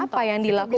apa yang dilakukan